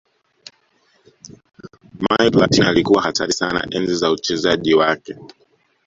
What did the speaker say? michael platin alikuwa hatari sana enzi za uchezaji wake